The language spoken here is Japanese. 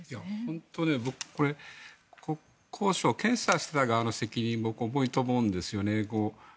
僕これ、国交省検査した側の責任も重いと思うんですよね。